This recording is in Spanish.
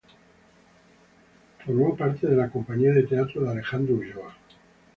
Formó parte de la Compañía de Teatro de Alejandro Ulloa.